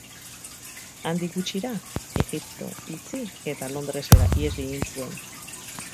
Handik gutxira, Egipto utzi eta Londresera ihes egin zuen.